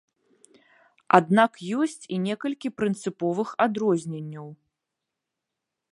Аднак ёсць і некалькі прынцыповых адрозненняў.